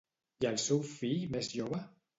I el seu fill més jove?